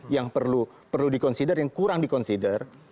yang perlu dikonsider yang kurang dikonsider